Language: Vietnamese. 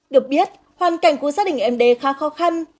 được biết hoàn cảnh của gia đình md khá khó khăn